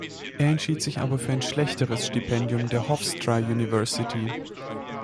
Er entschied sich aber für ein schlechteres Stipendium der Hofstra University.